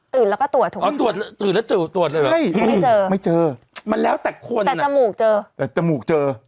ตื่นแล้วก็ตรวจตื่นแล้วตรวจเลยเหรอไม่เจอมันแล้วแต่คนแต่จมูกเจอ